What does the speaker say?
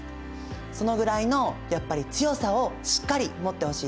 そのぐらいのやっぱり強さをしっかり持ってほしいです。